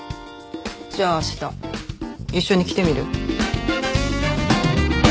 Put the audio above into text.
じゃあ明日一緒に来てみる？